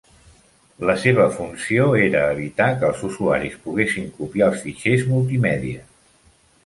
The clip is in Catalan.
La seva funció era evitar que els usuaris poguessin copiar els fitxers multimèdia.